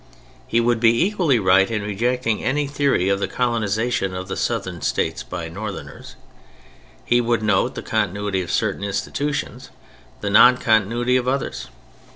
He would be equally right in rejecting any theory of the colonization of the Southern States by Northerners; he would note the continuity of certain institutions, the non continuity of others.